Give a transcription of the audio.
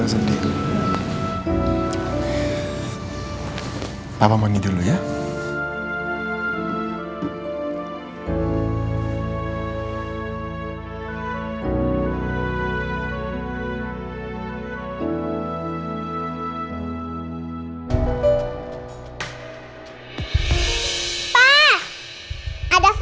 tidak ada yang nanya apa apa